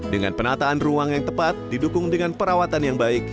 dengan penataan ruang yang tepat didukung dengan perawatan yang baik